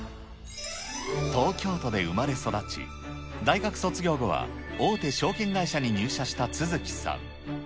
東京都で生まれ育ち、大学卒業後は大手証券会社に入社した續さん。